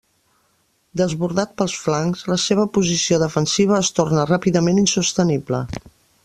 Desbordat pels flancs, la seva posició defensiva es torna ràpidament insostenible.